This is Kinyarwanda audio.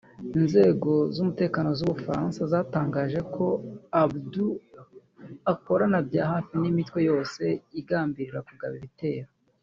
Inzego z’umutekano z’u Bufaransa zatangaje ko Abaaoud akorana bya hafi n’imitwe yose igambirira kugaba ibitero